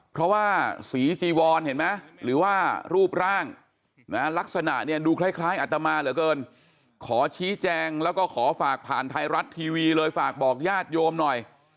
เพราะว่าสีจีวอนเห็นไหมหรือว่ารูปร่างนะลักษณะเนี่ยดูคล้ายอัตมาเหลือเกินขอชี้แจงแล้วก็ขอฝากผ่านไทยรัฐทีวีเลยฝากบอกญาติโยมหน่อย